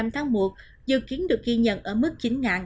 hai mươi năm tháng một dự kiến được ghi nhận ở mức chín